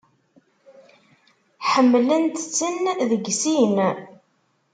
Ḥemmlent-ten deg sin.